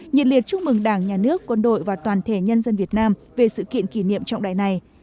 nhiệt liệt chúc mừng đảng nhà nước quân đội và toàn thể nhân dân việt nam về sự kiện kỷ niệm trọng đại này